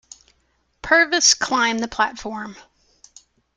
Purvis climbed the platform.